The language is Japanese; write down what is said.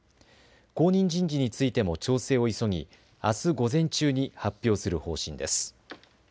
後任人事についても調整を急ぎあす午前中に発表する方針です。